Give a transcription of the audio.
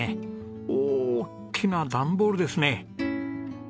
大きな段ボールですね。